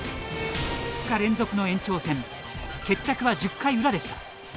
２日連続の延長戦決着は１０回裏でした。